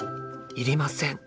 いりません。